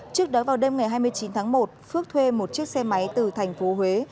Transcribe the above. trước đó vào đêm ngày hai mươi chín tháng một phước thuê một chiếc xe máy từ tp huế